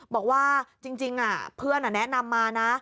บอกว่าจริงเพื่อนแนะนำมานะ